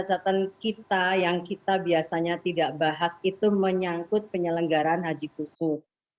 ini juga cekatan kita yang kita biasanya tidak bahas itu menyangkut penyelenggaran haji khusus